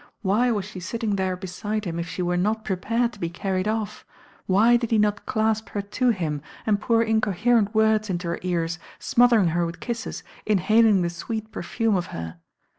Why was she sitting there beside him if she were not prepared to be carried off? Why did he not clasp her to him and pour incoherent words into her ears, smothering her with kisses, inhaling the sweet perfume of her?